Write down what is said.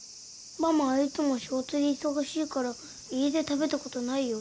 ママはいつも仕事で忙しいから家で食べたことないよ。